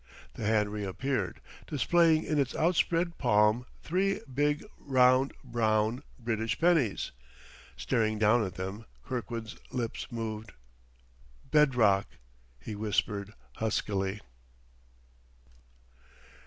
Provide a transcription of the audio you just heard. The hand reappeared, displaying in its outspread palm three big, round, brown, British pennies. Staring down at them, Kirkwood's lips moved. "Bed rock!" he whispered huskily.